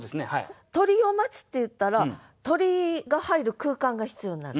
「鳥を待つ」っていったら鳥が入る空間が必要になる。